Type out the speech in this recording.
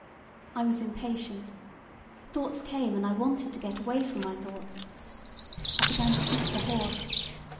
I was impatient. Thoughts came and I wanted to get away from my thoughts. I began to beat the horse.